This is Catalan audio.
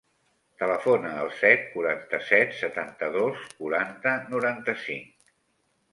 Telefona al set, quaranta-set, setanta-dos, quaranta, noranta-cinc.